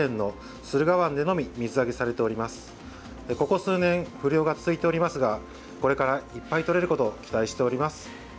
ここ数年不漁が続いておりますがこれから、いっぱい取れることを期待しております。